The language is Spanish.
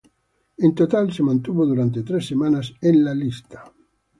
En total se mantuvo durante tres semanas en la lista.